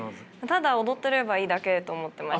ただ踊ってればいいだけと思ってました。